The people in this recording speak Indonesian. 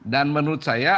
dan menurut saya